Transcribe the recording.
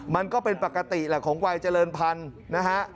มันก็เป็นปกติแหละของวัยเจริญพันธุ์นะฮะ